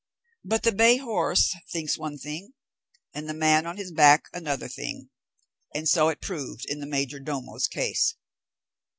But the bay horse thinks one thing, and the man on his back another thing, and so it proved in the major domo's case.